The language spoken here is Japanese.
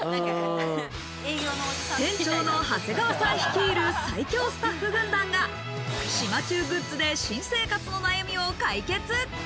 店長の長谷川さん率いる最強スタッフ軍団が、島忠グッズで新生活の悩みを解決。